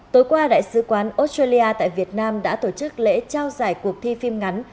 tối qua đại sứ quán australia tại việt nam đã tổ chức lễ trao giải cuộc thi phim ngắn